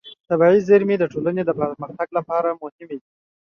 طبیعي زېرمې د ټولنې د پرمختګ لپاره مهمې دي.